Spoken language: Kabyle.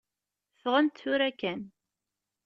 Ffɣemt tura kan.